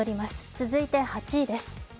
続いて８位です。